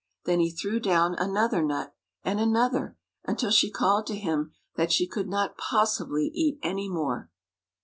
Then he threw down another nut, and another, until she called to him that she could not possibly eat any more.